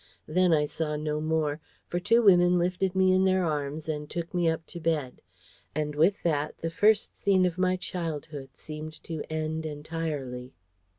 Then I saw no more, for two women lifted me in their arms and took me up to bed; and with that, the first scene of my childhood seemed to end entirely.